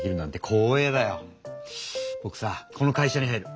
ぼくさこの会社に入る。